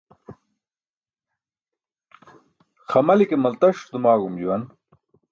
Xamli ke maltas dumaẏum juwan.